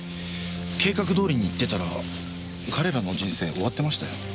計画どおりにいってたら彼らの人生終わってましたよ。